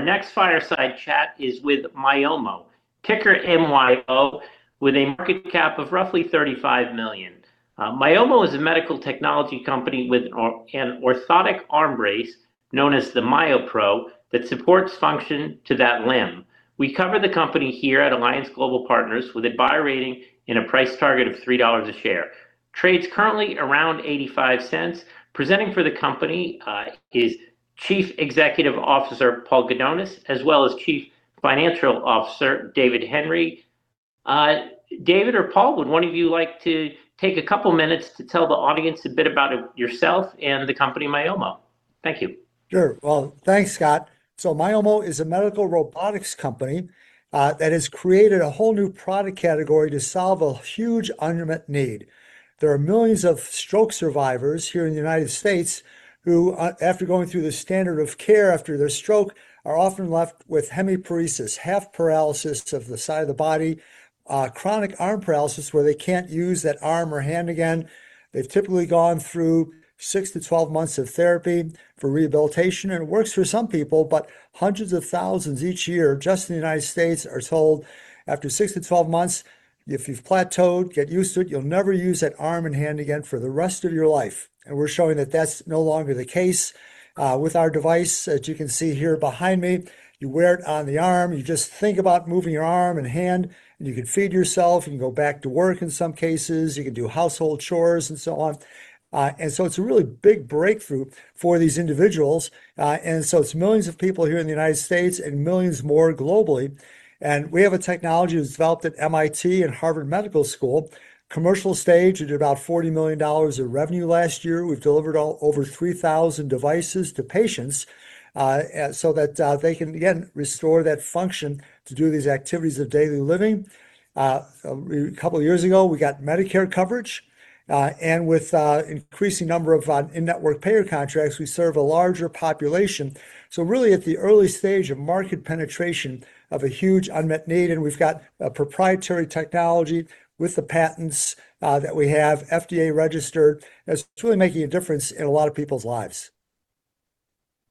Our next fireside chat is with Myomo, ticker MYO, with a market cap of roughly $35 million. Myomo is a medical technology company with an orthotic arm brace known as the MyoPro that supports function to that limb. We cover the company here at Alliance Global Partners with a buy rating and a price target of $3 a share. Trades currently around $0.85. Presenting for the company is Chief Executive Officer, Paul Gudonis, as well as Chief Financial Officer, David Henry. David or Paul, would one of you like to take a couple minutes to tell the audience a bit about yourself and the company, Myomo? Thank you. Sure. Well, thanks, Scott. Myomo is a medical robotics company that has created a whole new product category to solve a huge unmet need. There are millions of stroke survivors here in the U.S. who, after going through the standard of care after their stroke, are often left with hemiparesis, half paralysis of the side of the body, chronic arm paralysis where they can't use that arm or hand again. They've typically gone through 6 to 12 months of therapy for rehabilitation, and it works for some people, but hundreds of thousands each year, just in the U.S., are told after 6 to 12 months, "If you've plateaued, get used to it. You'll never use that arm and hand again for the rest of your life." We're showing that that's no longer the case with our device, as you can see here behind me. You wear it on the arm. You just think about moving your arm and hand, you can feed yourself, you can go back to work in some cases, you can do household chores and so on. It's a really big breakthrough for these individuals. It's millions of people here in the U.S. and millions more globally. We have a technology that's developed at MIT and Harvard Medical School, commercial stage at about $40 million in revenue last year. We've delivered over 3,000 devices to patients so that they can, again, restore that function to do these activities of daily living. A couple of years ago, we got Medicare coverage, with increasing number of in-network payer contracts, we serve a larger population. Really at the early stage of market penetration of a huge unmet need, and we've got a proprietary technology with the patents that we have, FDA registered, that's really making a difference in a lot of people's lives.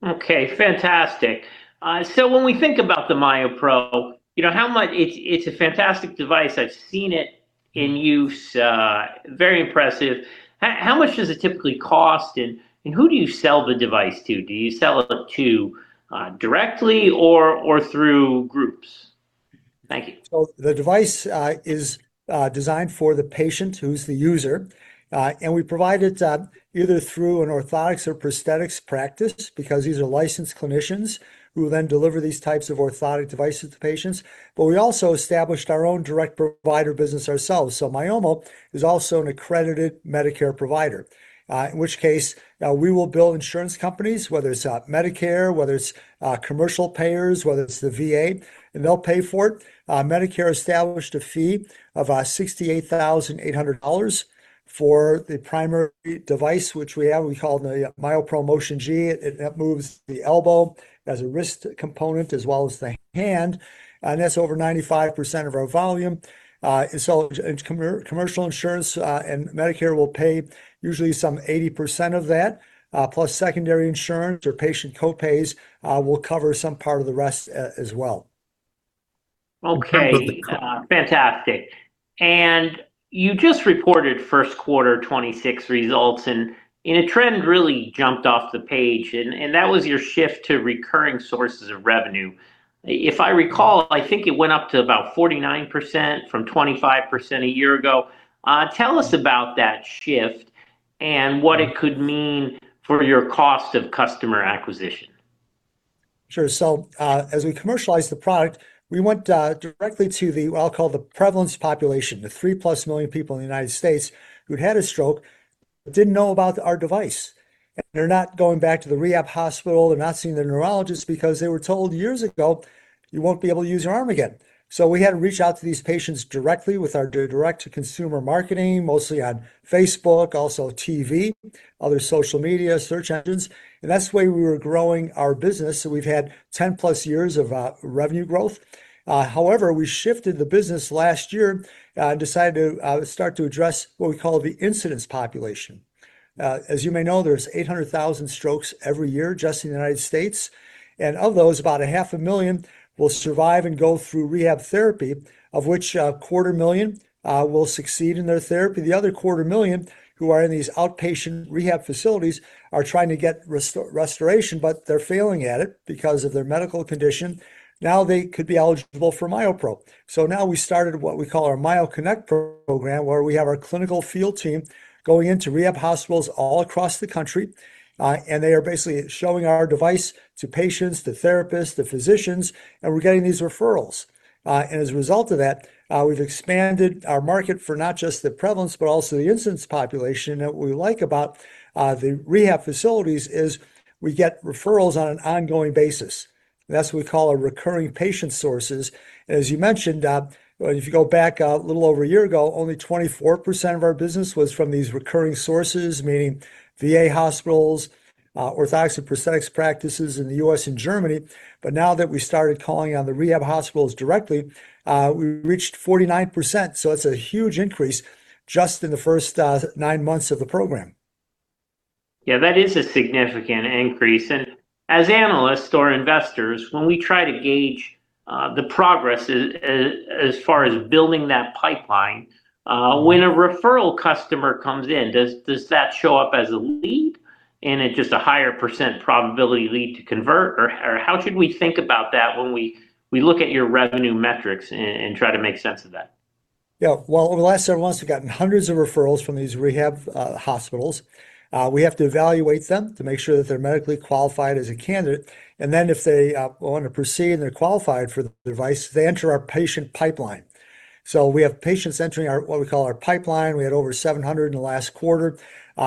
Okay, fantastic. When we think about the MyoPro, it's a fantastic device. I've seen it in use. Very impressive. How much does it typically cost, who do you sell the device to? Do you sell it to directly or through groups? Thank you. The device is designed for the patient who's the user, and we provide it either through an orthotics or prosthetics practice because these are licensed clinicians who then deliver these types of orthotic devices to patients. We also established our own direct provider business ourselves. Myomo is also an accredited Medicare provider, in which case we will bill insurance companies, whether it's Medicare, whether it's commercial payers, whether it's the VA, and they'll pay for it. Medicare established a fee of $68,800 for the primary device, which we have, we call the MyoPro Motion G. It moves the elbow. It has a wrist component as well as the hand, and that's over 95% of our volume. Commercial insurance and Medicare will pay usually some 80% of that, plus secondary insurance or patient co-pays will cover some part of the rest as well. Okay. Fantastic. You just reported first quarter 2026 results and a trend really jumped off the page, and that was your shift to recurring sources of revenue. If I recall, I think it went up to about 49% from 25% a year ago. Tell us about that shift and what it could mean for your cost of customer acquisition. Sure. As we commercialized the product, we went directly to the, I'll call the prevalence population, the 3+ million people in the U.S. who'd had a stroke but didn't know about our device. They're not going back to the rehab hospital. They're not seeing their neurologist because they were told years ago, "You won't be able to use your arm again." We had to reach out to these patients directly with our direct-to-consumer marketing, mostly on Facebook, also TV, other social media, search engines. That's the way we were growing our business, so we've had 10+ years of revenue growth. However, we shifted the business last year and decided to start to address what we call the incidence population. As you may know, there's 800,000 strokes every year just in the U.S. Of those, about a half a million will survive and go through rehab therapy, of which a quarter million will succeed in their therapy. The other quarter million, who are in these outpatient rehab facilities, are trying to get restoration, but they're failing at it because of their medical condition. Now they could be eligible for MyoPro. Now we started what we call our MyoConnect program, where we have our clinical field team going into rehab hospitals all across the country, and they are basically showing our device to patients, to therapists, to physicians, and we're getting these referrals. As a result of that, we've expanded our market for not just the prevalence, but also the incidence population. What we like about the rehab facilities is we get referrals on an ongoing basis, and that's what we call our recurring patient sources. As you mentioned, if you go back a little over one year ago, only 24% of our business was from these recurring sources, meaning VA hospitals, orthotics and prosthetics practices in the U.S. and Germany. Now that we started calling on the rehab hospitals directly, we reached 49%. It's a huge increase just in the first nine months of the program. Yeah, that is a significant increase. As analysts or investors, when we try to gauge the progress as far as building that pipeline, when a referral customer comes in, does that show up as a lead in at just a higher percent probability lead to convert? Or how should we think about that when we look at your revenue metrics and try to make sense of that? Yeah. Well, over the last several months, we've gotten hundreds of referrals from these rehab hospitals. We have to evaluate them to make sure that they're medically qualified as a candidate, and then if they want to proceed and they're qualified for the device, they enter our patient pipeline. We have patients entering what we call our pipeline. We had over 700 in the last quarter,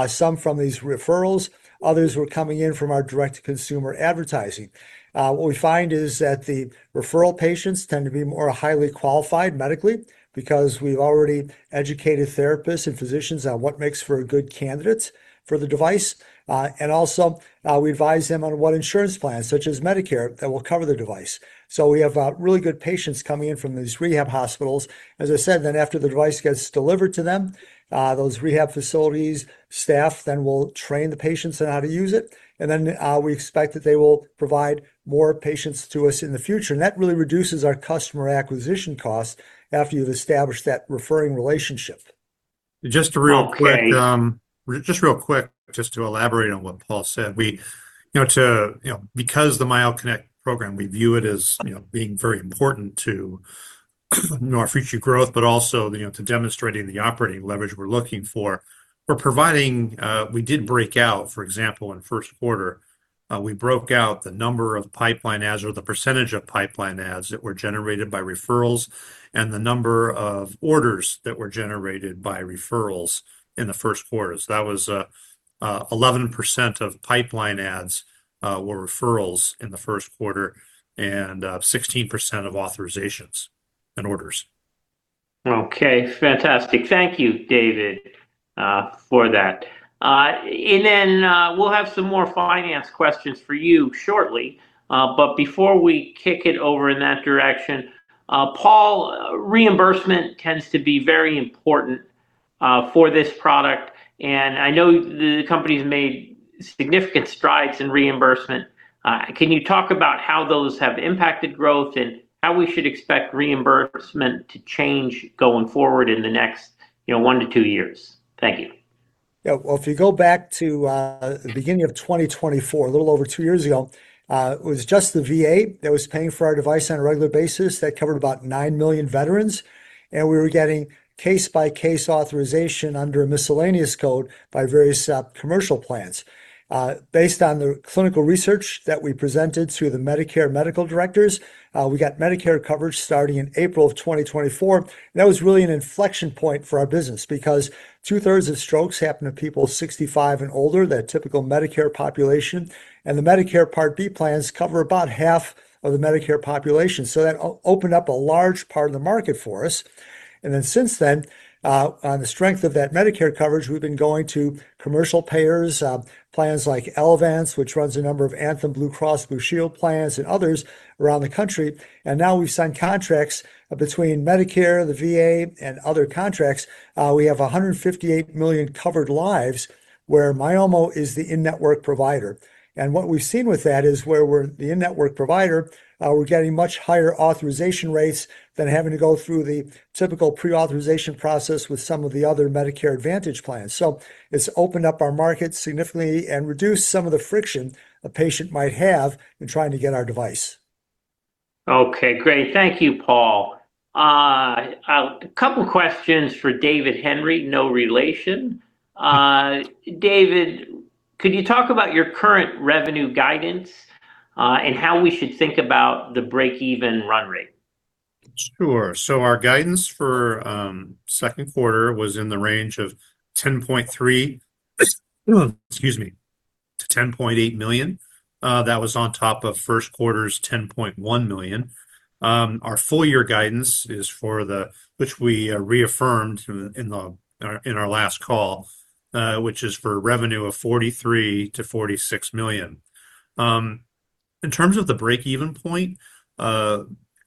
some from these referrals, others were coming in from our direct-to-consumer advertising. What we find is that the referral patients tend to be more highly qualified medically because we've already educated therapists and physicians on what makes for good candidates for the device. Also, we advise them on what insurance plans, such as Medicare, that will cover the device. We have really good patients coming in from these rehab hospitals. As I said, then after the device gets delivered to them, those rehab facilities' staff then will train the patients on how to use it, and then we expect that they will provide more patients to us in the future. That really reduces our customer acquisition cost after you've established that referring relationship. Okay. Just real quick, just to elaborate on what Paul said. The MyoConnect program, we view it as being very important to our future growth, but also to demonstrating the operating leverage we're looking for. We did break out, for example, in the first quarter, we broke out the number of pipeline adds or the percentage of pipeline adds that were generated by referrals, and the number of orders that were generated by referrals in the first quarter. That was 11% of pipeline adds were referrals in the first quarter, and 16% of authorizations and orders. Okay, fantastic. Thank you, David, for that. We'll have some more finance questions for you shortly. Before we kick it over in that direction, Paul, reimbursement tends to be very important for this product, and I know the company's made significant strides in reimbursement. Can you talk about how those have impacted growth and how we should expect reimbursement to change going forward in the next one-two years? Thank you. If you go back to the beginning of 2024, a little over two years ago, it was just the VA that was paying for our device on a regular basis. That covered about 9 million veterans. We were getting case-by-case authorization under a miscellaneous code by various commercial plans. Based on the clinical research that we presented through the Medicare medical directors, we got Medicare coverage starting in April of 2024, that was really an inflection point for our business because 2/3 of strokes happen to people 65 and older, the typical Medicare population, and the Medicare Part B plans cover about half of the Medicare population. Since then, on the strength of that Medicare coverage, we've been going to commercial payers, plans like Elevance Health, which runs a number of Anthem Blue Cross Blue Shield plans and others around the country. We've signed contracts between Medicare and the VA and other contracts. We have 158 million covered lives where Myomo is the in-network provider. We've seen with that is where we're the in-network provider, we're getting much higher authorization rates than having to go through the typical pre-authorization process with some of the other Medicare Advantage plans. It's opened up our market significantly and reduced some of the friction a patient might have in trying to get our device. Okay, great. Thank you, Paul. A couple questions for David Henry, no relation. David, could you talk about your current revenue guidance, and how we should think about the break-even run rate? Sure. Our guidance for second quarter was in the range of $10.3 million, excuse me, to $10.8 million. That was on top of first quarter's $10.1 million. Our full year guidance, which we reaffirmed in our last call, which is for revenue of $43 million-$46 million. In terms of the break-even point,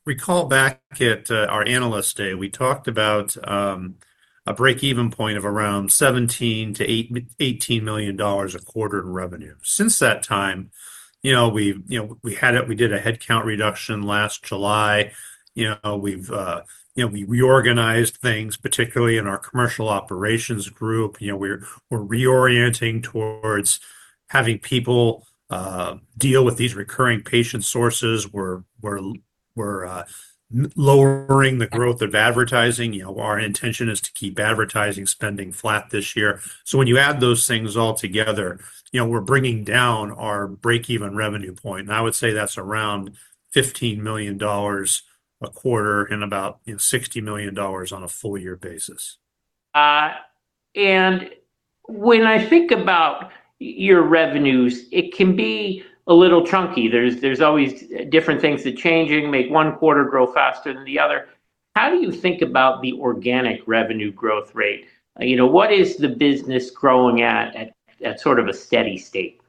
recall back at our Analyst Day, we talked about a break-even point of around $17 million-$18 million a quarter in revenue. Since that time, we did a headcount reduction last July. We reorganized things, particularly in our commercial operations group. We're reorienting towards having people deal with these recurring patient sources. We're lowering the growth of advertising. Our intention is to keep advertising spending flat this year. So you add those things all together, we're bringing down our break-even revenue point, and I would say that's around $15 million a quarter and about $60 million on a full year basis. When I think about your revenues, it can be a little chunky. There's always different things that changing make one quarter grow faster than the other. How do you think about the organic revenue growth rate? What is the business growing at at sort of a steady state?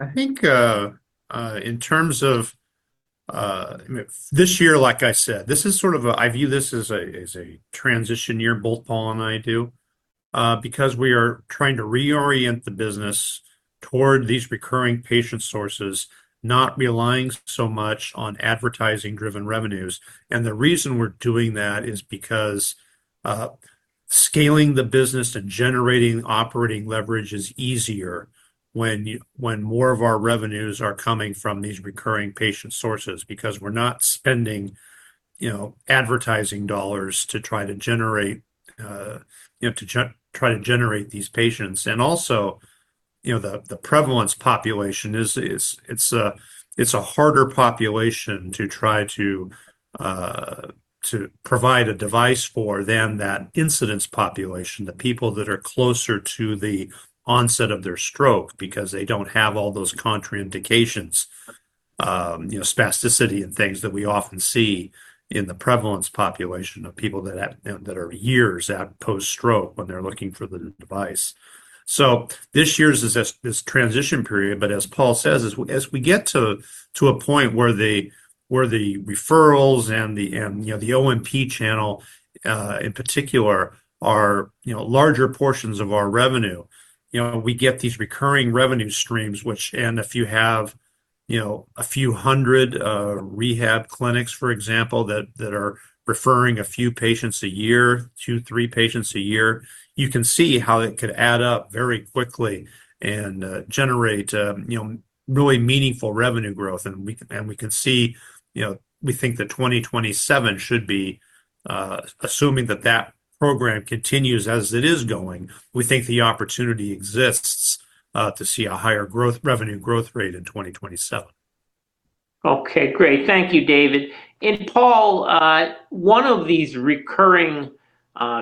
I think in terms of this year, like I said, I view this as a transition year, both Paul and I do, because we are trying to reorient the business toward these recurring patient sources, not relying so much on advertising-driven revenues. The reason we're doing that is because scaling the business and generating operating leverage is easier when more of our revenues are coming from these recurring patient sources, because we're not spending advertising dollars to try to generate these patients. Also, the prevalence population, it's a harder population to try to provide a device for than that incidence population, the people that are closer to the onset of their stroke because they don't have all those contraindications, spasticity and things that we often see in the prevalence population of people that are years at post-stroke when they're looking for the device. This year's is this transition period, but as Paul says, as we get to a point where the referrals and the O&P channel in particular are larger portions of our revenue, we get these recurring revenue streams. If you have a few hundred rehab clinics, for example, that are referring a few patients a year, two, three patients a year, you can see how it could add up very quickly and generate really meaningful revenue growth. We think that 2027 should be, assuming that that program continues as it is going, we think the opportunity exists to see a higher revenue growth rate in 2027. Okay, great. Thank you, David. Paul, one of these recurring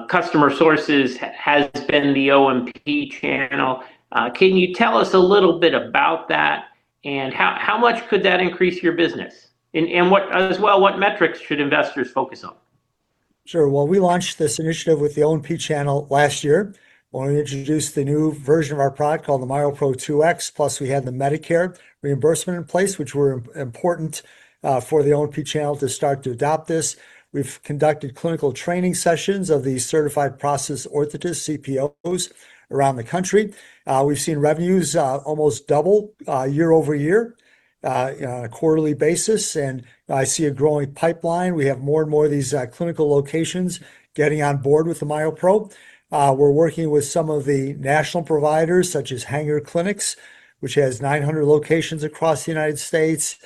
customer sources has been the O&P channel. Can you tell us a little bit about that, and how much could that increase your business? As well, what metrics should investors focus on? We launched this initiative with the O&P channel last year when we introduced the new version of our product called the MyoPro 2x, plus we had the Medicare reimbursement in place, which were important for the O&P channel to start to adopt this. We've conducted clinical training sessions of the certified prosthetist orthotist, CPOs, around the country. We've seen revenues almost double year-over-year on a quarterly basis, I see a growing pipeline. We have more and more of these clinical locations getting on board with the MyoPro. We're working with some of the national providers such as Hanger Clinic, which has 900 locations across the United States.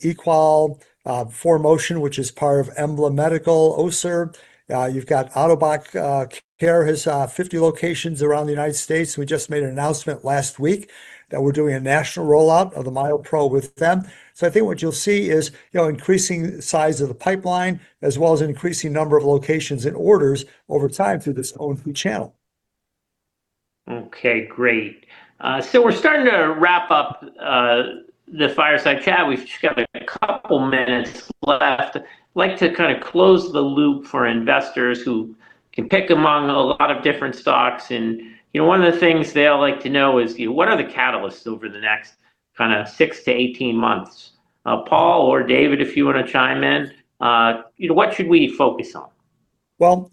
Equal, ForMotion, which is part of Embla Medical, Össur. You've got Ottobock Care has 50 locations around the United States. We just made an announcement last week that we're doing a national rollout of the MyoPro with them. I think what you'll see is increasing size of the pipeline, as well as increasing number of locations and orders over time through this O&P channel. Okay, great. We're starting to wrap up the fireside chat. We've just got a couple minutes left. I'd like to close the loop for investors who can pick among a lot of different stocks, and one of the things they all like to know is what are the catalysts over the next 6 to 18 months? Paul or David, if you want to chime in, what should we focus on?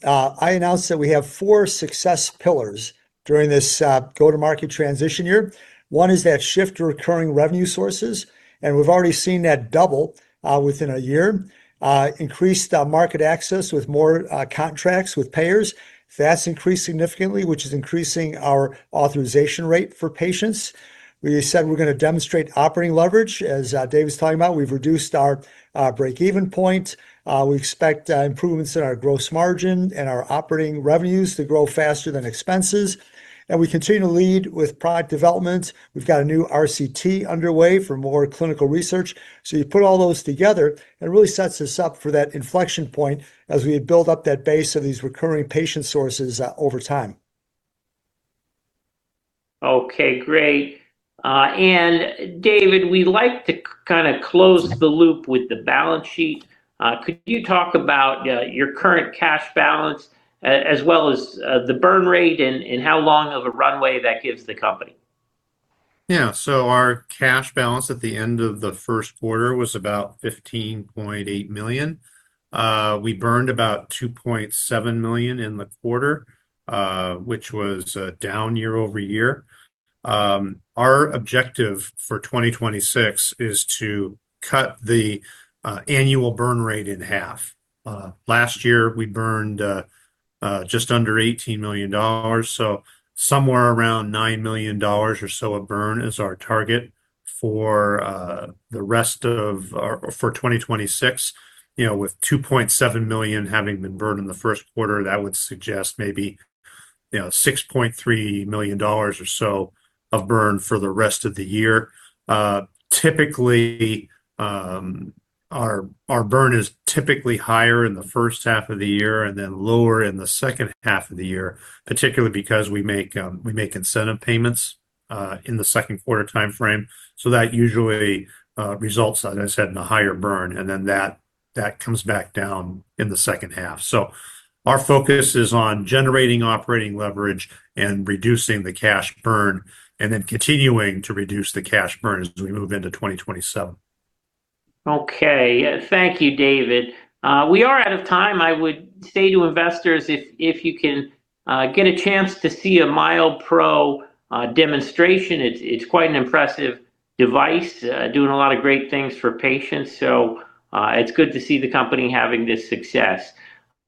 I announced that we have four success pillars during this go-to-market transition year. One is that shift to recurring revenue sources, and we've already seen that double within a year. Increased market access with more contracts with payers. That's increased significantly, which is increasing our authorization rate for patients. We said we're going to demonstrate operating leverage, as David's talking about. We've reduced our break-even point. We expect improvements in our gross margin and our operating revenues to grow faster than expenses. We continue to lead with product development. We've got a new RCT underway for more clinical research. You put all those together, and it really sets us up for that inflection point as we build up that base of these recurring patient sources over time. Okay, great. David, we like to close the loop with the balance sheet. Could you talk about your current cash balance as well as the burn rate and how long of a runway that gives the company? Yeah. Our cash balance at the end of the first quarter was about $15.8 million. We burned about $2.7 million in the quarter, which was down year-over-year. Our objective for 2026 is to cut the annual burn rate in half. Last year, we burned just under $18 million, so somewhere around $9 million or so of burn is our target for 2026. With $2.7 million having been burned in the first quarter, that would suggest maybe $6.3 million or so of burn for the rest of the year. Our burn is typically higher in the first half of the year and then lower in the second half of the year, particularly because we make incentive payments in the second quarter timeframe. That usually results, as I said, in a higher burn, and then that comes back down in the second half. Our focus is on generating operating leverage and reducing the cash burn, and then continuing to reduce the cash burn as we move into 2027. Okay. Thank you, David. We are out of time. I would say to investors, if you can get a chance to see a MyoPro demonstration, it's quite an impressive device doing a lot of great things for patients. It's good to see the company having this success.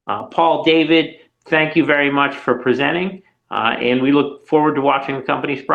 Paul, David, thank you very much for presenting, and we look forward to watching the company's progress.